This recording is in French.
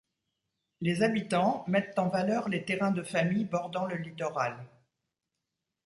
Les habitants mettent en valeur les terrains de famille bordant le littoral.